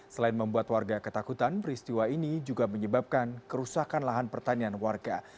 selain membuat warga ketakutan peristiwa ini juga menyebabkan kerusakan lahan pertanian warga